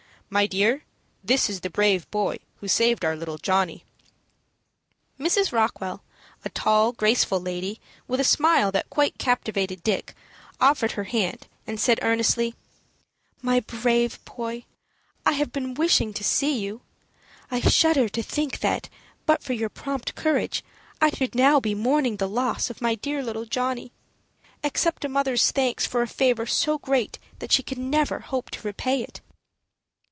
My dear, this is the brave boy who saved our little Johnny." Mrs. Rockwell, a tall, graceful lady, with a smile that quite captivated Dick, offered her hand, and said, earnestly, "My brave boy, I have been wishing to see you. I shudder to think that, but for your prompt courage, I should now be mourning the loss of my dear little Johnny. Accept a mother's thanks for a favor so great that she can never hope to repay it."